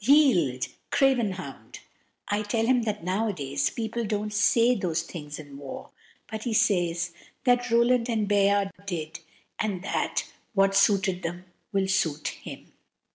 Yield, craven hound!" (I tell him that nowadays people don't say those things in war, but he says that Roland and Bayard did, and that what suited them will suit him.)